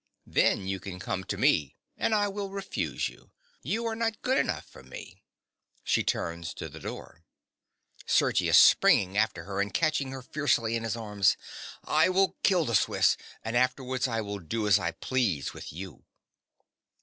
Then you can come to me; and I will refuse you. You are not good enough for me. (She turns to the door.) SERGIUS. (springing after her and catching her fiercely in his arms). I will kill the Swiss; and afterwards I will do as I please with you.